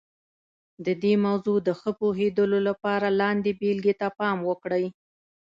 د دې موضوع د ښه پوهېدلو لپاره لاندې بېلګې ته پام وکړئ.